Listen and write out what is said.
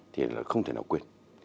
thì là không thể nào quên